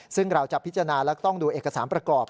ซึ่งเราจะพิจารณาและต้องดูเอกสารประกอบ